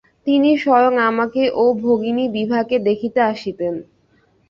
তিনি স্বয়ং আমাকে ও ভগিনী বিভাকে দেখিতে আসিতেন।